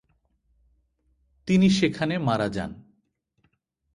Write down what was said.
তিনি সেখানে মারা যান।